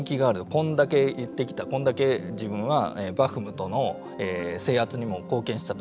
こんだけ言ってきたこんだけ自分はバフムトの制圧にも貢献したと。